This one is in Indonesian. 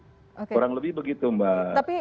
kurang lebih begitu mbak